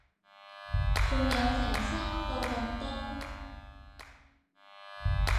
仲有成三個咁多